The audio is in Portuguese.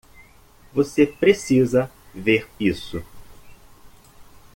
Você precisa ver isso.